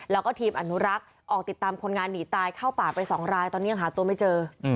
แล้วก็ทีมอนุรักษ์ออกติดตามคนงานหนีตายเข้าป่าไป๒รายตอนนี้ยังหาตัวไม่เจอ